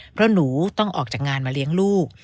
เพราะหนูต้องออกจากงานมาเลี้ยงลูก